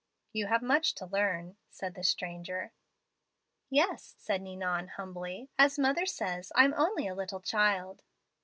"'You have much to learn,' said the stranger. "'Yes,' said Ninon, humbly; 'as mother says, I'm only a little child.'